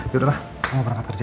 yaudahlah kamu berangkat kerja